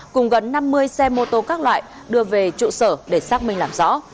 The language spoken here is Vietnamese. cùng gần năm mươi xe mô tô các loại đưa về trụ sở để xác minh làm rõ